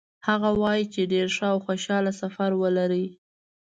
هغه وایي چې ډېر ښه او خوشحاله سفر ولرئ.